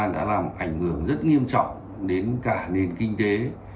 đã làm ảnh hưởng rất nghiêm trọng đến cả nền kinh tế